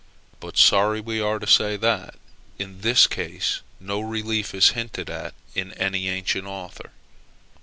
But sorry we are to say that, in this case, no relief is hinted at in any ancient author.